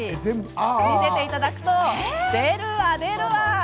見せていただくと出るわ出るわ。